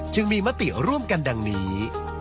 จึงมีมติร่วมกันดังนี้